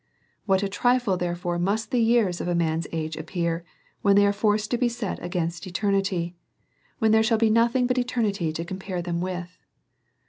What a trifle, therefore, must the years of a man's age appear, when they are forced to be set against eternity, when there shall be nothing but eternity to compare them with